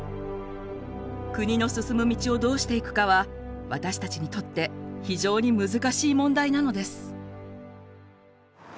国の進む道をどうしていくかは私たちにとって非常に難しい問題なのです。